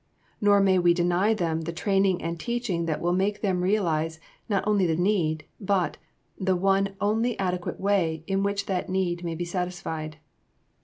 Nor may we deny them the training and teaching that will make them realize not only the need, but the one only adequate way in which that need may be satisfied.